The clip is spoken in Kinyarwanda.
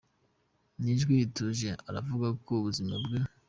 Mu ijwi rituje, aravuga ku buzima bwe.